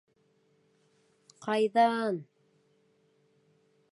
Ҡайҙа-а-ан...